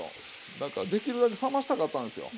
だからできるだけ冷ましたかったんですよ。